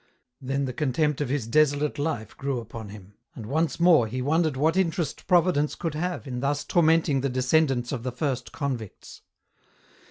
Then the contempt of his desolate life grew upon him, and once more he wondered what interest Providence could have in thus tormenting the descendants of the first convicts.